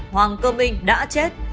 hoàng cơ minh đã chết